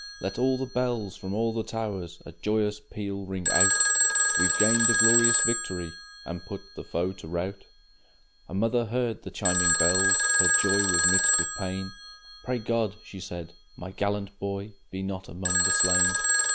Let all the bells from all the towers A joyous peal ring out; We've gained a glorious victory, And put the foe to rout! A mother heard the chiming bells; Her joy was mixed with pain. "Pray God," she said, "my gallant boy Be not among the slain!"